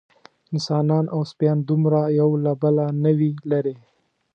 انسانان او سپیان دومره یو له بله نه وي لېرې.